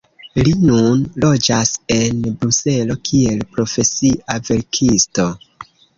Li nun loĝas en Bruselo kiel profesia verkisto.